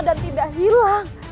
dan tidak hilang